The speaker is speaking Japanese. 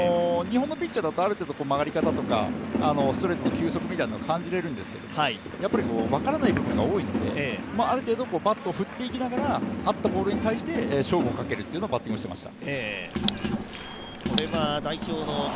日本のピッチャーだと、ある程度、曲がり方とかストレートの球速とかを感じられるんですけど、分からない部分が多いので、ある程度バットを振っていったら、あったボールに対して勝負をかけるというバッティングをしていました。